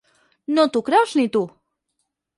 No t'ho creus ni tu!